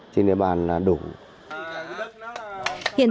trên địa bàn là ba giếng